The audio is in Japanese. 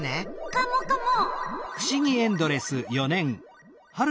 カモカモ。